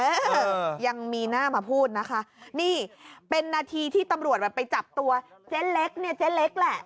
เออยังมีหน้ามาพูดนะคะนี่เป็นนาทีที่ตำรวจแบบไปจับตัวเจ๊เล็กเนี่ยเจ๊เล็กแหละ